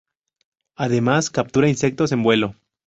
Además captura insectos en vuelo.